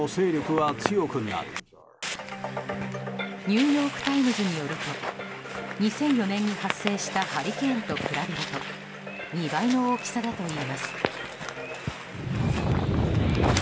ニューヨーク・タイムズによると２００４年に発生したハリケーンと比べると２倍の大きさだといいます。